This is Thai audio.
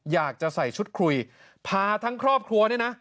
อยากจะใส่ชุดคุยพาทั้งครอบครัวเนี่ยนะ